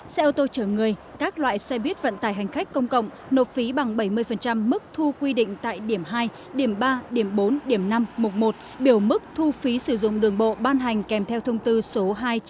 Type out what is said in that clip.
xe ô tô chở người các loại xe bít vận tải hành khách công cộng nộp phí bằng bảy mươi mức thu quy định tại điểm hai điểm ba điểm bốn điểm năm mục một biểu mức thu phí sử dụng đường bộ ban hành kèm theo thông tư số hai trăm chín mươi